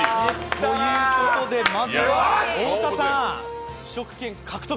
ということで太田さん、試食権獲得。